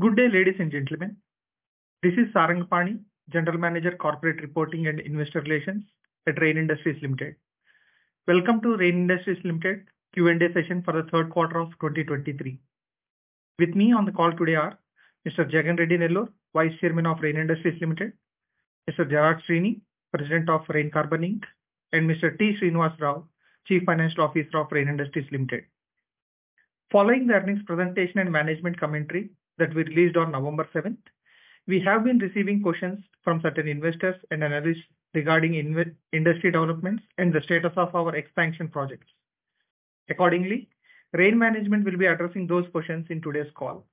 Good day, ladies and gentlemen. This is Sarang Pani, General Manager, Corporate Reporting and Investor Relations at Rain Industries Limited. Welcome to Rain Industries Limited Q&A session for the third quarter of 2023. With me on the call today are Mr. Jagan Reddy Nellore, Vice Chairman of Rain Industries Limited; Mr. Gerard Sweeney, President of Rain Carbon Inc.; and Mr. T. Srinivas Rao, Chief Financial Officer of Rain Industries Limited. Following the earnings presentation and management commentary that we released on November seventh, we have been receiving questions from certain investors and analysts regarding industry developments and the status of our expansion projects. Accordingly, Rain management will be addressing those questions in today's call.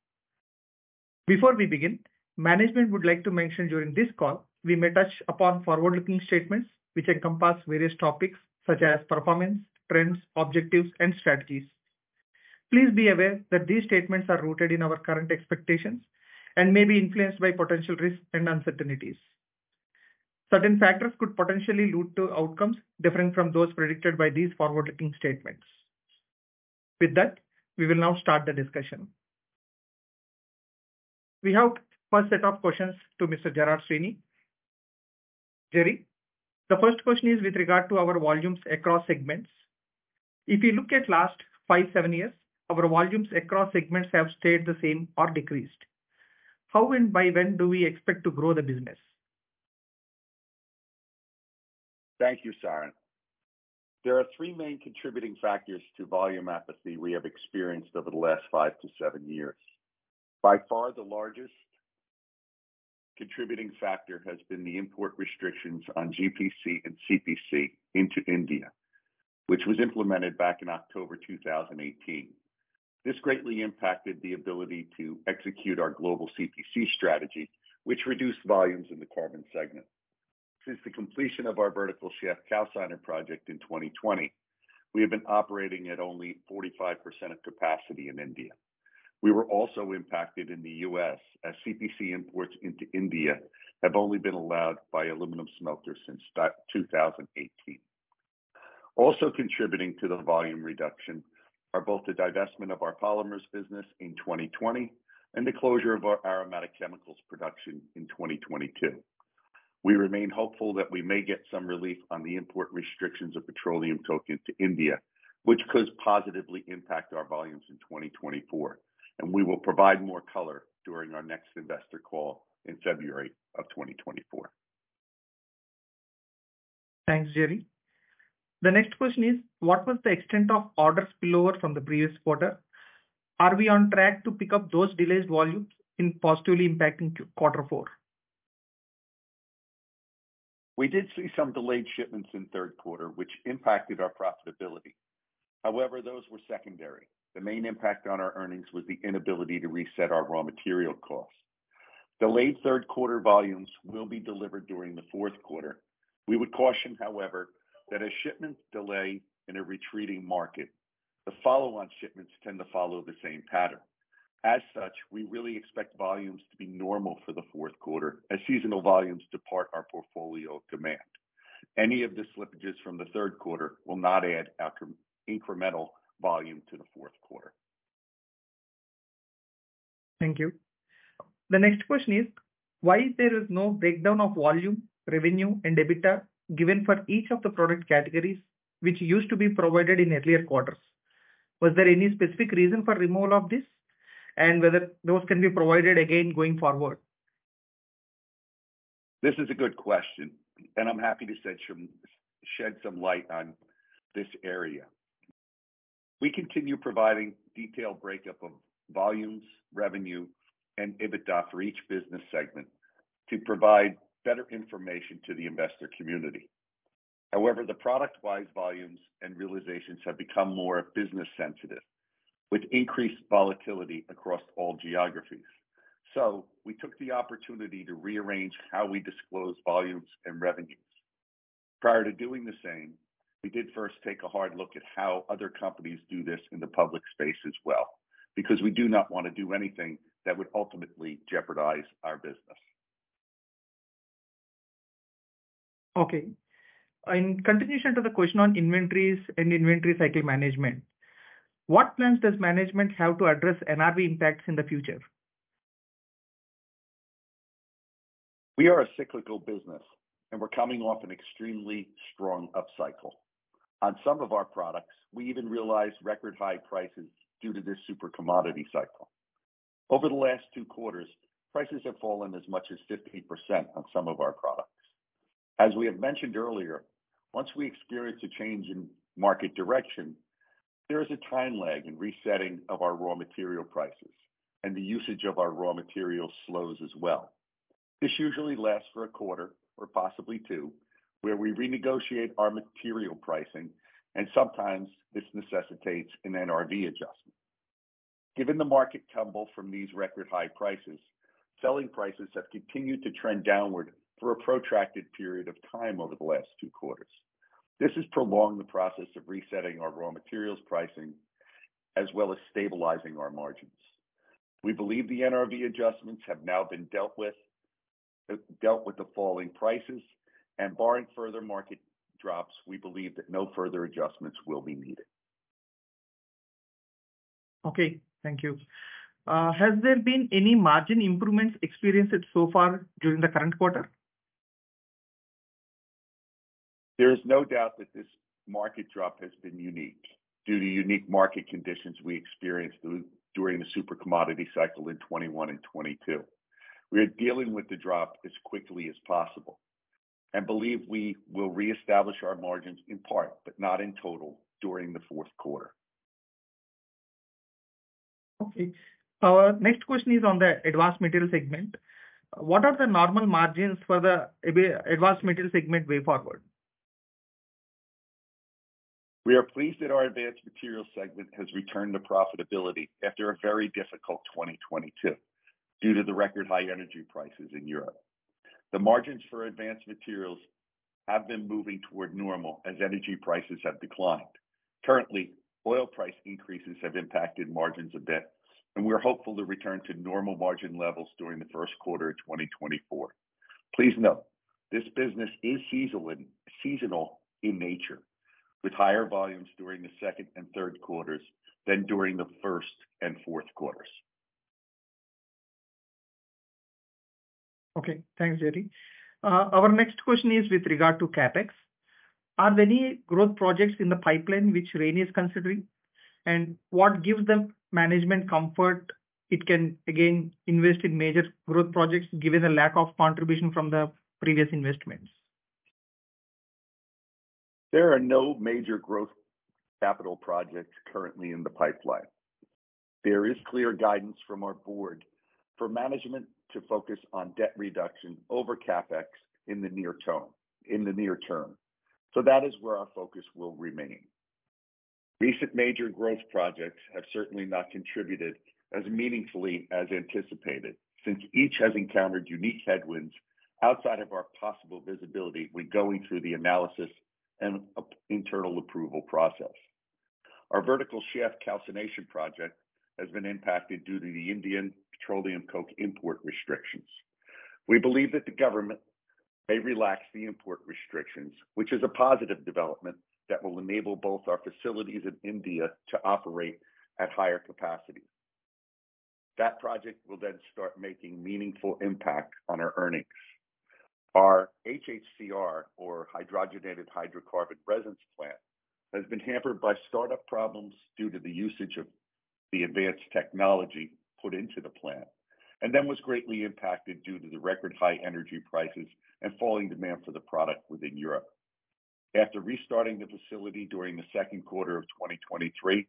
Before we begin, management would like to mention during this call, we may touch upon forward-looking statements, which encompass various topics such as performance, trends, objectives, and strategies. Please be aware that these statements are rooted in our current expectations and may be influenced by potential risks and uncertainties. Certain factors could potentially lead to outcomes differing from those predicted by these forward-looking statements. With that, we will now start the discussion. We have first set of questions to Mr. Gerard Sweeney. Gerry, the first question is with regard to our volumes across segments. If you look at last five, seven years, our volumes across segments have stayed the same or decreased. How and by when do we expect to grow the business? Thank you, Sarang. There are three main contributing factors to volume apathy we have experienced over the last five to seven years. By far, the largest contributing factor has been the import restrictions on GPC and CPC into India, which was implemented back in October 2018. This greatly impacted the ability to execute our global CPC strategy, which reduced volumes in the carbon segment. Since the completion of our Vertical Shaft Calciner project in 2020, we have been operating at only 45% of capacity in India. We were also impacted in the U.S., as CPC imports into India have only been allowed by aluminum smelters since 2018. Also contributing to the volume reduction are both the divestment of our polymers business in 2020 and the closure of our aromatic chemicals production in 2022. We remain hopeful that we may get some relief on the import restrictions of petroleum coke to India, which could positively impact our volumes in 2024, and we will provide more color during our next investor call in February of 2024. Thanks, Gerry. The next question is: What was the extent of orders spillover from the previous quarter? Are we on track to pick up those delayed volumes in positively impacting Q4? We did see some delayed shipments in third quarter, which impacted our profitability. However, those were secondary. The main impact on our earnings was the inability to reset our raw material costs. Delayed third quarter volumes will be delivered during the fourth quarter. We would caution, however, that a shipment delay in a retreating market, the follow-on shipments tend to follow the same pattern. As such, we really expect volumes to be normal for the fourth quarter, as seasonal volumes depart our portfolio of demand. Any of the slippages from the third quarter will not add incremental volume to the fourth quarter. Thank you. The next question is: Why there is no breakdown of volume, revenue, and EBITDA given for each of the product categories, which used to be provided in earlier quarters? Was there any specific reason for removal of this, and whether those can be provided again going forward? This is a good question, and I'm happy to shed some light on this area. We continue providing detailed breakup of volumes, revenue, and EBITDA for each business segment to provide better information to the investor community. However, the product-wise volumes and realizations have become more business sensitive, with increased volatility across all geographies. So we took the opportunity to rearrange how we disclose volumes and revenues. Prior to doing the same, we did first take a hard look at how other companies do this in the public space as well, because we do not want to do anything that would ultimately jeopardize our business. Okay. In continuation to the question on inventories and inventory cycle management, what plans does management have to address NRV impacts in the future? We are a cyclical business, and we're coming off an extremely strong upcycle. On some of our products, we even realized record-high prices due to this super commodity cycle. Over the last two quarters, prices have fallen as much as 50% on some of our products. As we have mentioned earlier, once we experience a change in market direction, there is a time lag in resetting of our raw material prices, and the usage of our raw materials slows as well. This usually lasts for a quarter or possibly two, where we renegotiate our material pricing, and sometimes this necessitates an NRV adjustment. Given the market tumble from these record-high prices, selling prices have continued to trend downward for a protracted period of time over the last two quarters. This has prolonged the process of resetting our raw materials pricing, as well as stabilizing our margins. We believe the NRV adjustments have now been dealt with, dealt with the falling prices, and barring further market drops, we believe that no further adjustments will be needed. Okay, thank you. Has there been any margin improvements experienced so far during the current quarter? There is no doubt that this market drop has been unique due to unique market conditions we experienced during the super commodity cycle in 2021 and 2022. We are dealing with the drop as quickly as possible and believe we will reestablish our margins in part, but not in total, during the fourth quarter. Okay. Our next question is on the Advanced Materials segment. What are the normal margins for the Advanced Materials segment way forward? We are pleased that our Advanced Materials segment has returned to profitability after a very difficult 2022 due to the record high energy prices in Europe. The margins for Advanced Materials have been moving toward normal as energy prices have declined. Currently, oil price increases have impacted margins a bit, and we're hopeful to return to normal margin levels during the first quarter of 2024. Please note, this business is seasonal in nature, with higher volumes during the second and third quarters than during the first and fourth quarters. Okay, thanks, Gerry. Our next question is with regard to CapEx. Are there any growth projects in the pipeline which Rain is considering? And what gives them management comfort it can again invest in major growth projects, given the lack of contribution from the previous investments? There are no major growth capital projects currently in the pipeline. There is clear guidance from our board for management to focus on debt reduction over CapEx in the near term, in the near term. So that is where our focus will remain. Recent major growth projects have certainly not contributed as meaningfully as anticipated, since each has encountered unique headwinds outside of our possible visibility when going through the analysis and internal approval process. Our Vertical Shaft Calcination project has been impacted due to the Indian Petroleum Coke import restrictions. We believe that the government may relax the import restrictions, which is a positive development that will enable both our facilities in India to operate at higher capacity. That project will then start making meaningful impact on our earnings. Our HHCR, or hydrogenated hydrocarbon resins plant, has been hampered by startup problems due to the usage of the advanced technology put into the plant, and then was greatly impacted due to the record high energy prices and falling demand for the product within Europe. After restarting the facility during the second quarter of 2023,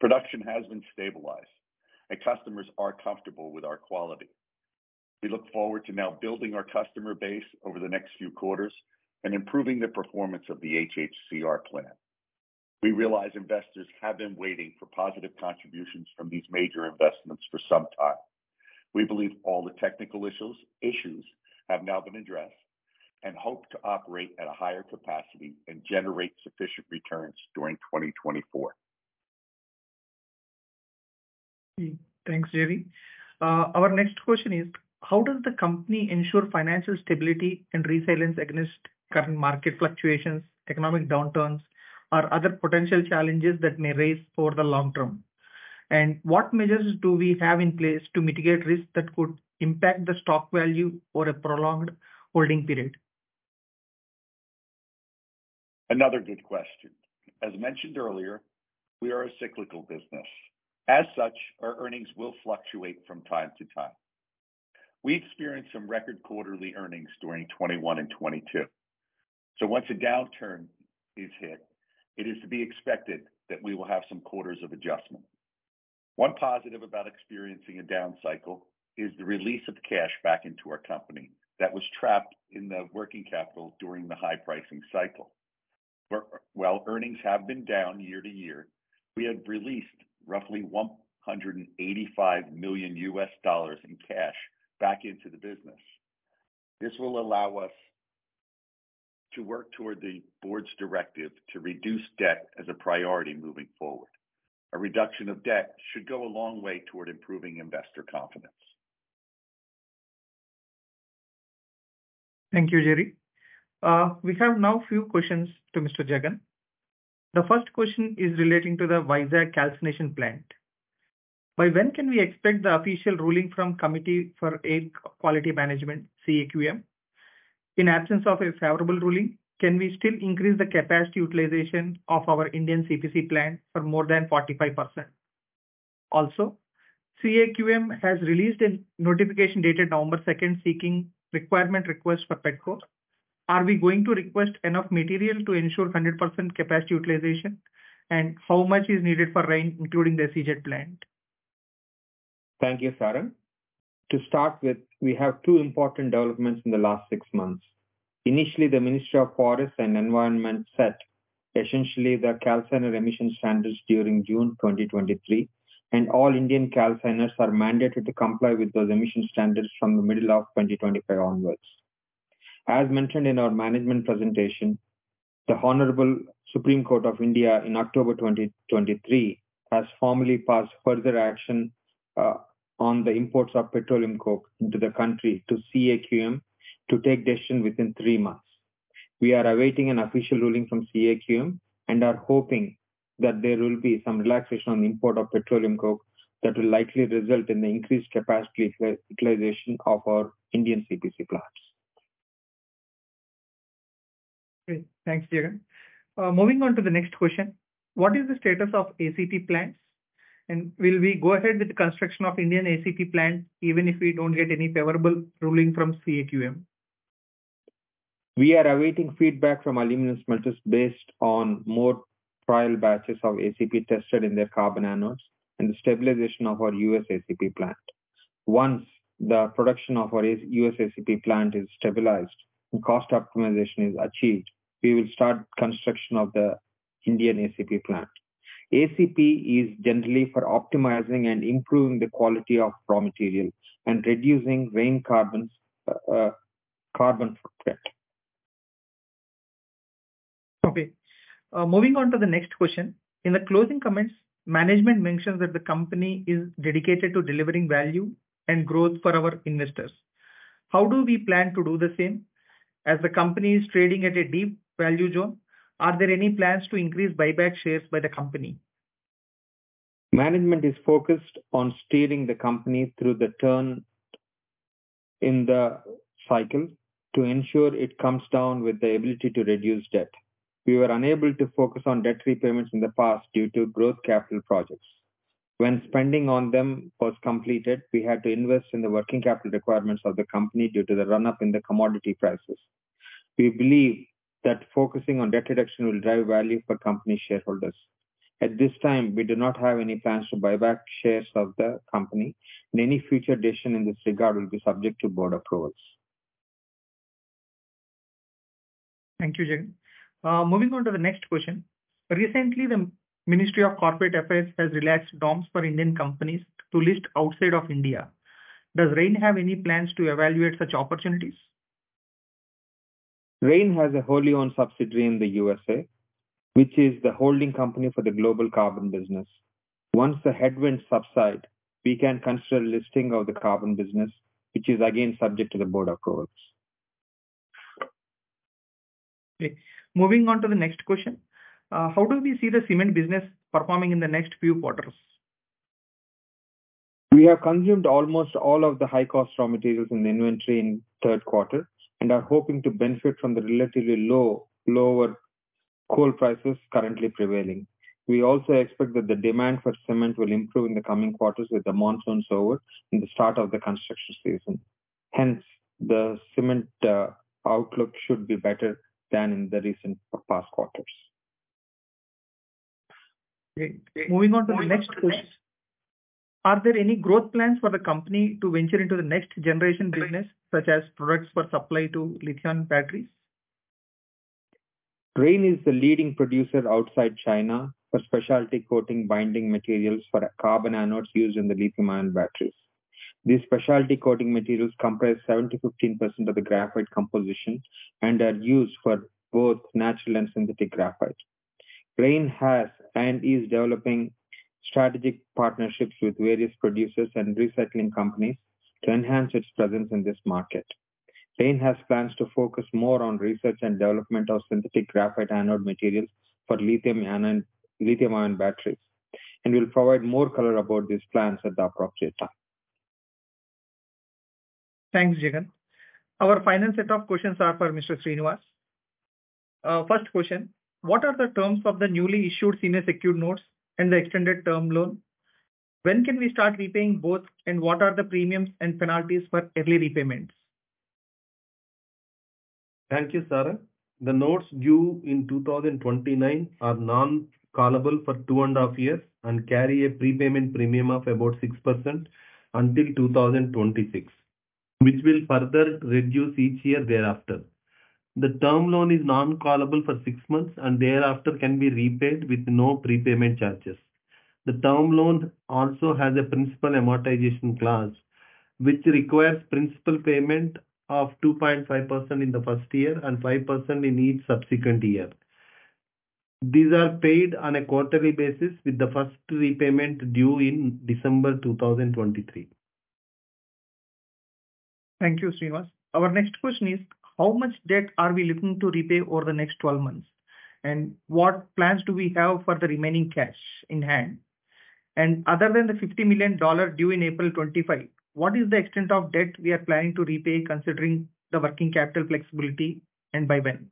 production has been stabilized and customers are comfortable with our quality. We look forward to now building our customer base over the next few quarters and improving the performance of the HHCR plant. We realize investors have been waiting for positive contributions from these major investments for some time. We believe all the technical issues have now been addressed, and hope to operate at a higher capacity and generate sufficient returns during 2024. Thanks, Gerry. Our next question is: How does the company ensure financial stability and resilience against current market fluctuations, economic downturns, or other potential challenges that may arise for the long term? And what measures do we have in place to mitigate risks that could impact the stock value for a prolonged holding period? Another good question. As mentioned earlier, we are a cyclical business. As such, our earnings will fluctuate from time to time. We experienced some record quarterly earnings during 2021 and 2022, so once a downturn is hit, it is to be expected that we will have some quarters of adjustment. One positive about experiencing a down cycle is the release of cash back into our company that was trapped in the working capital during the high pricing cycle. While earnings have been down year to year, we have released roughly $185 million in cash back into the business. This will allow us to work toward the board's directive to reduce debt as a priority moving forward. A reduction of debt should go a long way toward improving investor confidence. Thank you, Gerry. We have now a few questions to Mr. Jagan. The first question is relating to the Vizag calcination plant. By when can we expect the official ruling from Committee for Air Quality Management, CAQM? In absence of a favorable ruling, can we still increase the capacity utilization of our Indian CPC plant for more than 45%? Also, CAQM has released a notification dated November second, seeking requirement requests for Petcoke. Are we going to request enough material to ensure 100% capacity utilization? And how much is needed for Rain, including the SEZ plant? Thank you, Sarang. To start with, we have two important developments in the last six months. Initially, the Ministry of Forest and Environment set essentially the calciner emission standards during June 2023, and all Indian calciners are mandated to comply with those emission standards from the middle of 2025 onwards. As mentioned in our management presentation, the Honorable Supreme Court of India in October 2023 has formally passed further action on the imports of petroleum coke into the country to CAQM to take decision within three months. We are awaiting an official ruling from CAQM, and are hoping that there will be some relaxation on the import of petroleum coke that will likely result in the increased capacity utilization of our Indian CPC plants. Great. Thanks, Jagan. Moving on to the next question: What is the status of ACP plants, and will we go ahead with the construction of Indian ACP plant, even if we don't get any favorable ruling from CAQM? We are awaiting feedback from aluminum smelters based on more trial batches of ACP tested in their carbon anodes, and the stabilization of our U.S. ACP plant. Once the production of our U.S. ACP plant is stabilized and cost optimization is achieved, we will start construction of the Indian ACP plant. ACP is generally for optimizing and improving the quality of raw materials and reducing Rain Carbon's carbon footprint. Okay, moving on to the next question. In the closing comments, management mentions that the company is dedicated to delivering value and growth for our investors. How do we plan to do the same, as the company is trading at a deep value zone? Are there any plans to increase buyback shares by the company? Management is focused on steering the company through the turn in the cycle to ensure it comes down with the ability to reduce debt. We were unable to focus on debt repayments in the past due to growth capital projects. When spending on them was completed, we had to invest in the working capital requirements of the company due to the run-up in the commodity prices. We believe that focusing on debt reduction will drive value for company shareholders. At this time, we do not have any plans to buy back shares of the company, and any future decision in this regard will be subject to board approvals. Thank you, Jagan. Moving on to the next question. Recently, the Ministry of Corporate Affairs has relaxed norms for Indian companies to list outside of India. Does Rain have any plans to evaluate such opportunities? Rain has a wholly-owned subsidiary in the U.S.A, which is the holding company for the global carbon business. Once the headwinds subside, we can consider listing of the carbon business, which is again subject to the board approvals. Okay, moving on to the next question. How do we see the cement business performing in the next few quarters? We have consumed almost all of the high-cost raw materials in the inventory in third quarter, and are hoping to benefit from the relatively low, lower coal prices currently prevailing. We also expect that the demand for cement will improve in the coming quarters with the monsoons over and the start of the construction season. Hence, the cement outlook should be better than in the recent or past quarters. Great. Moving on to the next question: Are there any growth plans for the company to venture into the next generation business, such as products for supply to lithium batteries? Rain is the leading producer outside China for specialty coating binding materials for carbon anodes used in the lithium-ion batteries. These specialty coating materials comprise 7%-15% of the graphite composition, and are used for both natural and synthetic graphite. Rain has and is developing strategic partnerships with various producers and recycling companies to enhance its presence in this market. Rain has plans to focus more on research and development of synthetic graphite anode materials for lithium-ion and lithium-ion batteries, and we'll provide more color about these plans at the appropriate time. Thanks, Jagan. Our final set of questions are for Mr. Srinivas. First question: What are the terms of the newly issued senior secured notes and the extended term loan? When can we start repaying both, and what are the premiums and penalties for early repayments? Thank you, Sarang. The notes due in 2029 are non-callable for 2.5 years, and carry a prepayment premium of about 6% until 2026, which will further reduce each year thereafter. The term loan is non-callable for 6 months, and thereafter can be repaid with no prepayment charges. The term loan also has a principal amortization clause, which requires principal payment of 2.5% in the first year and 5% in each subsequent year. These are paid on a quarterly basis, with the first repayment due in December 2023. Thank you, Srinivas. Our next question is: How much debt are we looking to repay over the next 12 months, and what plans do we have for the remaining cash in hand? And other than the $50 million due in April 2025, what is the extent of debt we are planning to repay, considering the working capital flexibility, and by when?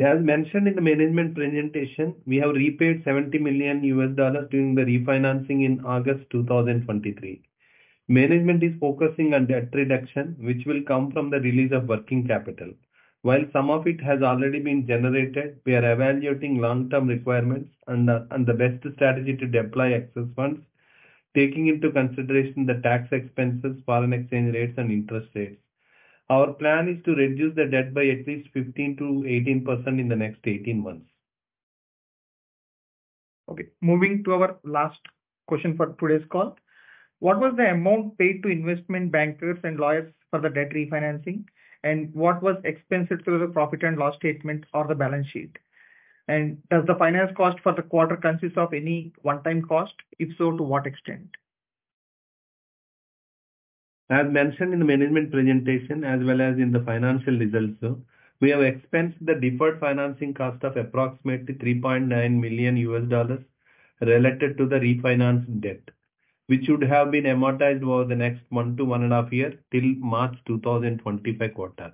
As mentioned in the management presentation, we have repaid $70 million during the refinancing in August 2023. Management is focusing on debt reduction, which will come from the release of working capital. While some of it has already been generated, we are evaluating long-term requirements and the best strategy to deploy excess funds, taking into consideration the tax expenses, foreign exchange rates, and interest rates. Our plan is to reduce the debt by at least 15%-18% in the next 18 months. Okay, moving to our last question for today's call. What was the amount paid to investment bankers and lawyers for the debt refinancing, and what was expensed through the profit and loss statement or the balance sheet? Does the finance cost for the quarter consist of any one-time cost? If so, to what extent? As mentioned in the management presentation as well as in the financial results, we have expensed the deferred financing cost of approximately $3.9 million related to the refinance debt, which would have been amortized over the next 1-1.5 year, till March 2025 quarter.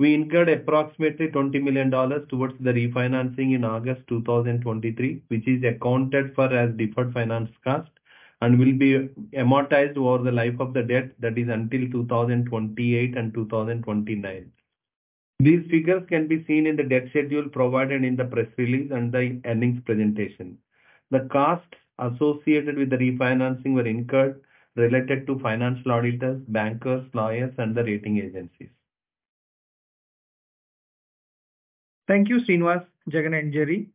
We incurred approximately $20 million towards the refinancing in August 2023, which is accounted for as deferred finance cost and will be amortized over the life of the debt, that is, until 2028 and 2029. These figures can be seen in the debt schedule provided in the press release and the earnings presentation. The costs associated with the refinancing were incurred related to finance auditors, bankers, lawyers, and the rating agencies. Thank you, Srinivas, Jagan, and Gerry.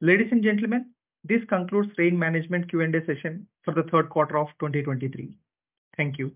Ladies and gentlemen, this concludes Rain management Q&A session for the third quarter of 2023. Thank you.